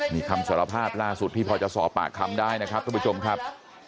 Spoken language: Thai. นี่คำสารภาพล่าสุดที่พอจะสอบปากคำได้นะครับทุกผู้ชมครับ